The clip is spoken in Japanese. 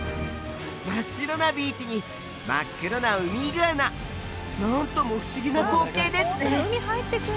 真っ白なビーチに真っ黒なウミイグアナ何とも不思議な光景ですね